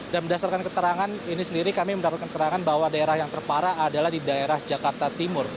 dan berdasarkan keterangan ini sendiri kami mendapatkan keterangan bahwa daerah yang terparah adalah di daerah jakarta timur